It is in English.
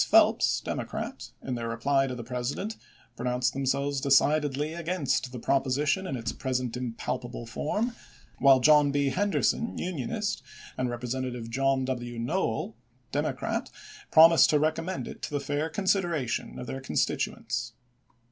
Phelps, Democrat, in their reply to the President, pronounced them selves decidedly against "the proposition in its present impalpable form"; while Senator John B. Henderson, Unionist, and Representative John W. Noell, Democrat, promised to recommend it to the fair consideration of their constituents.